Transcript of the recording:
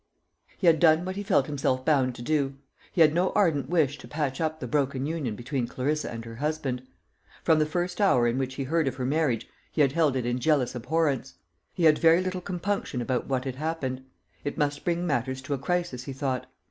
He had done what he felt himself bound to do. He had no ardent wish to patch up the broken union between Clarissa and her husband. From the first hour in which he heard of her marriage, he had held it in jealous abhorrence. He had very little compunction about what had happened. It must bring matters to a crisis, he thought.